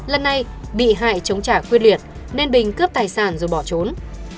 lần này bị hại chống trả quyết liệt nên bình cướp tài sản rồi bỏ trốn